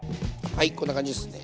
はいこんな感じですかね。